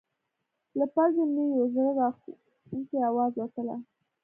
له پزې نه یو زړه راښکونکی اواز وتله.